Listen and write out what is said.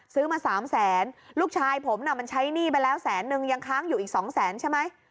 ซื้อมา๓แสนลูกชายผมน่ะมันใช้หนี้ไปแล้วแสนนึงยังค้างอยู่อีกสองแสนใช่ไหม